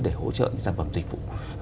để hỗ trợ những sản phẩm dịch vụ